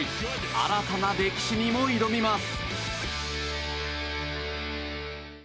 新たな歴史にも挑みます。